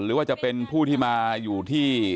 หรือว่าจะเป็นผู้ที่มาอยู่ที่